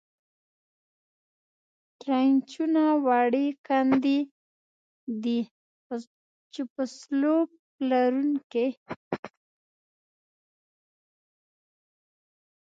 ټرینچونه وړې کندې دي، چې په سلوپ لرونکې.